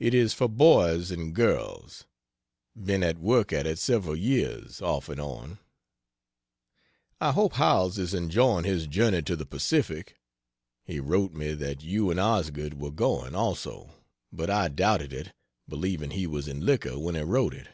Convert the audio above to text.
It is for boys and girls been at work at it several years, off and on. I hope Howells is enjoying his journey to the Pacific. He wrote me that you and Osgood were going, also, but I doubted it, believing he was in liquor when he wrote it.